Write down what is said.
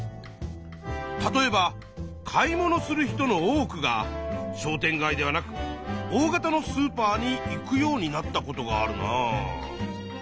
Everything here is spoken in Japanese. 例えば買い物する人の多くが商店街ではなく大型のスーパーに行くようになったことがあるな。